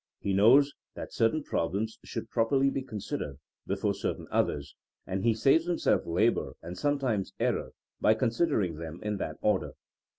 He knows that certain problems should properly be considered before certain others, and he saves himself labor and sometimes error by considering them in that order.